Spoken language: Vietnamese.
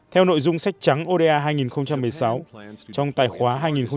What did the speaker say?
theo nội dung sách trắng oda hai nghìn một mươi sáu trong tài khóa hai nghìn một mươi bảy